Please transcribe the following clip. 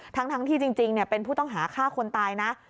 ทั้งที่จริงเป็นผู้ต้องหาฆ่าคนตายนะ